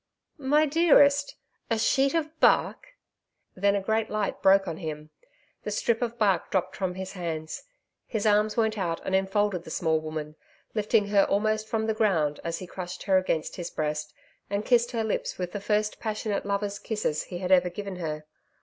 'My dearest! A sheet of bark!' Then a great light broke on him. The strip of bark dropped from his hands. His arms went out and enfolded the small woman, lifting her almost from the ground as he crushed her against his breast and kissed her lips with the first passionate lover's kisses he had ever given her....